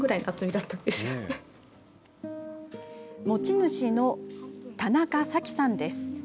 持ち主の田中咲さんです。